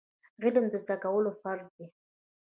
علم زده کول فرض دي